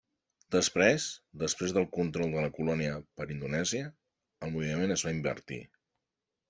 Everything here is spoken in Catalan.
Després, després del control de la colònia per Indonèsia, el moviment es va invertir.